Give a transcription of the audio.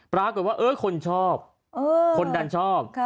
ปรากฏว่าคนชอบคนดันชอบ